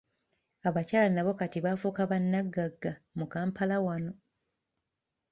Abakyala n’abo kati bafuuka bannaggagga mu Kampala wano.